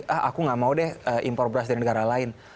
ah aku gak mau deh impor beras dari negara lain